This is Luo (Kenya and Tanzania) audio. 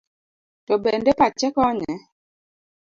To bende pache konye?